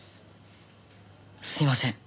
すいません。